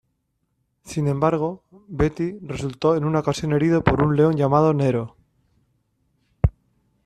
Sin embargo, Beatty resultó en una ocasión herido por un león llamado Nero.